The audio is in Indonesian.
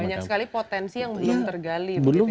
banyak sekali potensi yang belum tergali